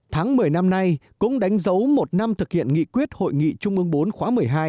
tháng một mươi năm nay cũng đánh dấu một năm thực hiện nghị quyết hội nghị trung ương bốn khóa một mươi hai